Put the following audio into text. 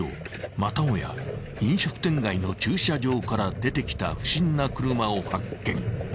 またもや飲食店街の駐車場から出てきた不審な車を発見］